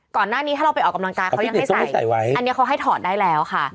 ก่อนหน้านี้ถ้าเราไปออกกำลังกายเขายังให้ใส่ไว้อันนี้เขาให้ถอดได้แล้วค่ะ